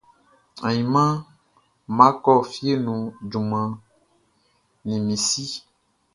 Ayinʼman nʼma kɔ fie nu juman ni mi si.